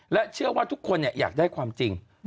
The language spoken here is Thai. และเชื่อว่าทุกคนอยากได้ความจริง